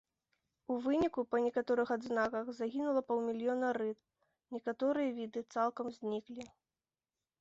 У выніку па некаторых адзнаках загінула паўмільёна рыб, некаторыя віды цалкам зніклі.